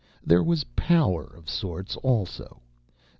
There was power, of sorts, also.